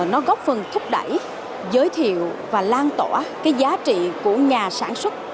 nó góp phần thúc đẩy giới thiệu và lan tỏa cái giá trị của nhà sản xuất